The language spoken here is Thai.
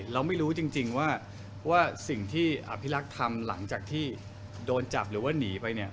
เราไม่รู้จริงว่าสิ่งที่อภิรักษ์ทำหลังจากที่โดนจับหรือว่าหนีไปเนี่ย